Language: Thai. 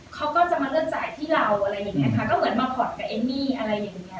เขาก็จะมาเลือกจ่ายที่เราอะไรอย่างเงี้ค่ะก็เหมือนมาผ่อนกับเอมมี่อะไรอย่างเงี้